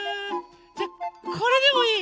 じゃこれでもいい？